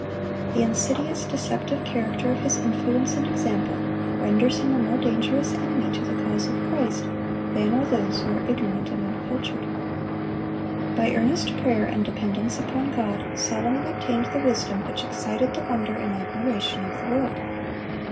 The insidious, deceptive character of his influence and example renders him a more dangerous enemy to the cause of Christ than are those who are ignorant and uncultured. By earnest prayer and dependence upon God, Solomon obtained the wisdom which excited the wonder and admiration of the world.